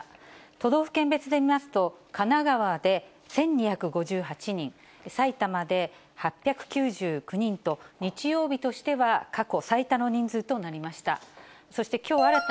都道府県別で見ますと、神奈川で１２５８人、埼玉で８９９人と、日曜日としては過去最多の人数となりました。